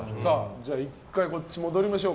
じゃあ１回こっちに戻りましょう。